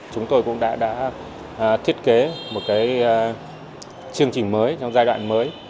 chúng tôi cũng đã thiết kế một chương trình mới trong giai đoạn mới